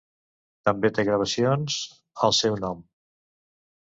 També té gravacions al seu nom.